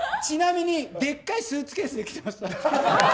ちなみに、でかいスーツケースで来てました。